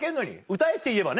歌えって言えばね